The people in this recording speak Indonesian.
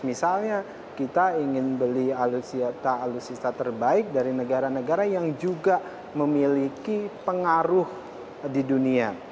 misalnya kita ingin beli alutsista alutsista terbaik dari negara negara yang juga memiliki pengaruh di dunia